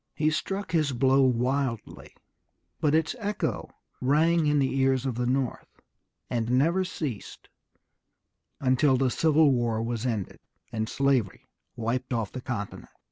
He struck his blow wildly, but its echo rang in the ears of the North, and never ceased until the Civil War was ended, and slavery wiped off the continent.